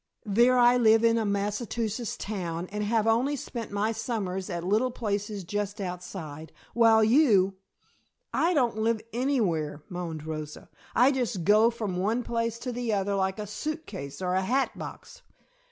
There I live in a Massachusetts town and have only spent my summers at little places just outside, while you " "I don't live anywhere," moaned Rosa. "I just go from one place to the other like a suitcase or a hat box.